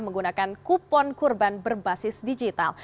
menggunakan kupon kurban berbasis digital